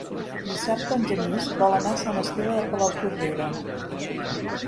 Dissabte en Genís vol anar a Sant Esteve de Palautordera.